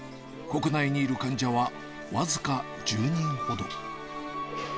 国内にいる患者は僅か１０人ほど。